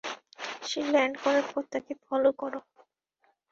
সে land করার পর তাকে ফলো করো।